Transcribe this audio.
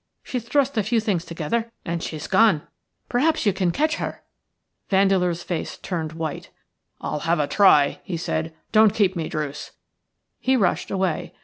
She thrust a few things together and she's gone. Perhaps you can catch her." Vandeleur's face turned white. "I'll have a try," he said. "Don't keep me, Druce." He rushed away.